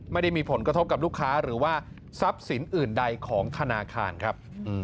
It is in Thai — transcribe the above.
ไม่ได้มีผลกระทบกับลูกค้าหรือว่าทรัพย์สินอื่นใดของธนาคารครับ